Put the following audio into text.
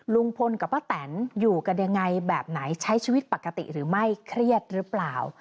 ลุงพลกับป้าแตนอยู่กันยังไงแบบไหนใช้ชีวิตปกติหรือไม่เครียดหรือเปล่า